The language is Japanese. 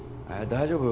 大丈夫？